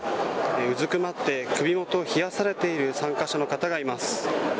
うずくまって首元を冷やされている参加者の方がいます。